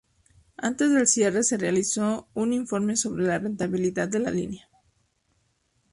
Antes del cierre se realizó un informe sobre la rentabilidad de la línea.